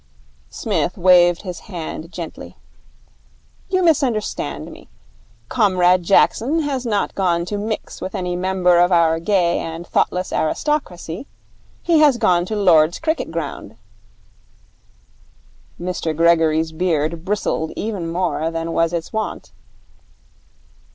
Psmith waved his hand gently. 'You misunderstand me. Comrade Jackson has not gone to mix with any member of our gay and thoughtless aristocracy. He has gone to Lord's cricket ground.' Mr Gregory's beard bristled even more than was its wont.